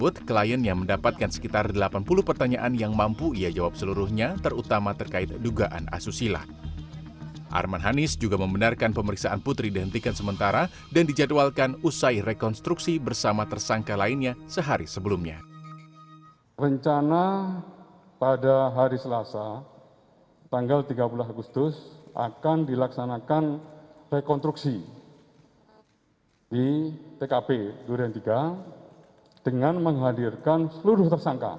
rencana pada hari selasa tanggal tiga belas agustus akan dilaksanakan rekonstruksi di tkp dua dan tiga dengan menghadirkan seluruh tersangka